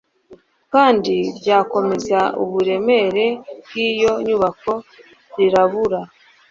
kandi ryakomeza uburemere bw'iyo nyubako rirabura.